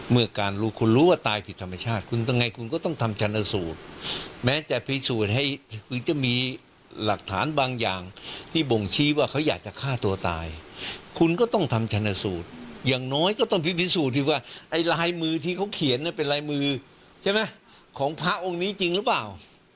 เมื่อการรู้คุณรู้ว่าตายผิดธรรมชาติคุณยังไงคุณก็ต้องทำชันสูตรแม้จะพิสูจน์ให้คุณจะมีหลักฐานบางอย่างที่บ่งชี้ว่าเขาอยากจะฆ่าตัวตายคุณก็ต้องทำชนสูตรอย่างน้อยก็ต้องพิสูจน์ที่ว่าไอ้ลายมือที่เขาเขียนเป็นลายมือใช่ไหมของพระองค์นี้จริงหรือเปล่า